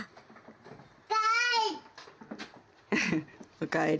おかえり。